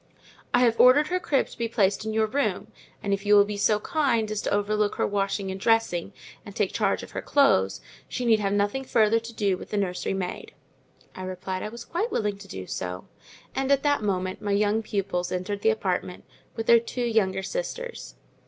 I have ordered her crib to be placed in your room, and if you will be so kind as to overlook her washing and dressing, and take charge of her clothes, she need have nothing further to do with the nursery maid." I replied I was quite willing to do so; and at that moment my young pupils entered the apartment, with their two younger sisters.